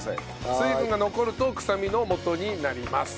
水分が残るとくさみの元になります。